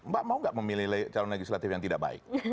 mbak mau nggak memilih calon legislatif yang tidak baik